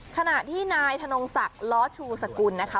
ขณะที่นายธนงศักดิ์ล้อชูสกุลนะคะ